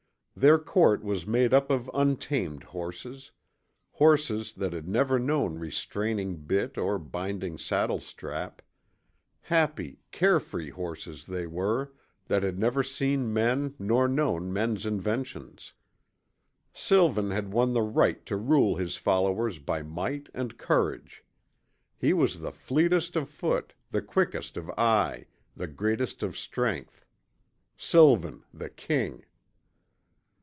Their court was made up of untamed horses. Horses that had never known restraining bit or binding saddlestrap. Happy, carefree horses they were, that had never seen men nor known men's inventions. Sylvan had won the right to rule his followers by might and courage. He was the fleetest of foot, the quickest of eye, the greatest of strength. Sylvan, the King!